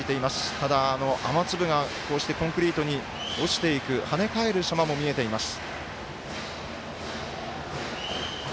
ただ、雨粒がこうしてコンクリートに落ちていく、跳ね返るさまも見えています。